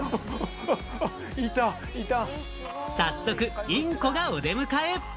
早速、インコがお出迎え。